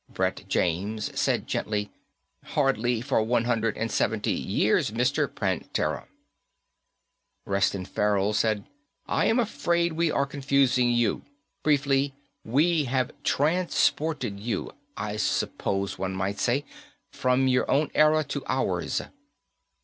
Brett James said gently, "Hardly for one hundred and seventy years, Mr. Prantera." Reston Farrell said, "I am afraid we are confusing you. Briefly, we have transported you, I suppose one might say, from your own era to ours."